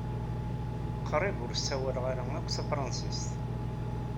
Qrib ur ssawaleɣ akk tafṛansit.